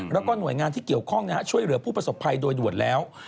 แล้วก็หน่วยงานที่เกี่ยวข้องช่วยเหลือผู้ประสบภัยโดยด่วนแล้ว